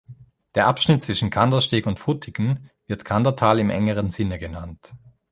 Der Abschnitt zwischen Kandersteg und Frutigen wird Kandertal im engeren Sinne genannt.